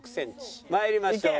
参りましょう。